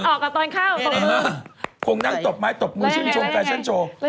เออคงนั่งตบมือตบมือช่วยชมแฟชั่นโชว์